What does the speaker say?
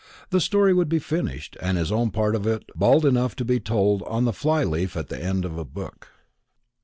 The story would be finished, and his own part of it bald enough to be told on the fly leaf at the end of the book.